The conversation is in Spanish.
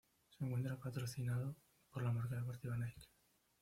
Se encuentra patrocinado por la marca deportiva Nike.